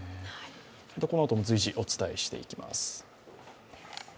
このあとも随時お伝えしていきます。